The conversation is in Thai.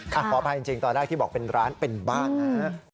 ขออภัยจริงตอนแรกที่บอกเป็นร้านเป็นบ้านนะฮะ